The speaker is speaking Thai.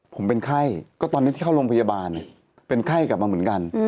ผมเป็นไข้ก็ตอนนี้ที่เข้าโรงพยาบาลเป็นไข้กลับมาเหมือนกัน